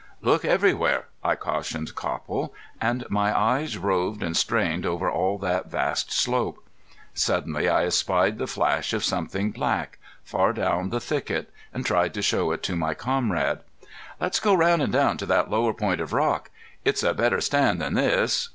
"Look everywhere!" I cautioned Copple, and my eyes roved and strained over all that vast slope. Suddenly I espied the flash of something black, far down the thicket, and tried to show it to my comrade. "Let's go around an' down to that lower point of rock. It's a better stand than this.